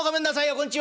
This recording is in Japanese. こんちは！